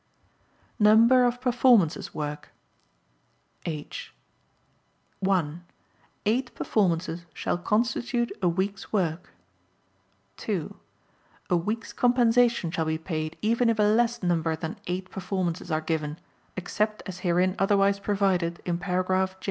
Number of Performances Work (H) (1) Eight performances shall constitute a week's work. (2) A week's compensation shall be paid even if a less number than eight performances are given, except as herein otherwise provided in Paragraph J.